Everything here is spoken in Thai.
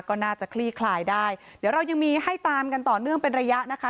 ก็น่าจะคลี่คลายได้เดี๋ยวเรายังมีให้ตามกันต่อเนื่องเป็นระยะนะคะ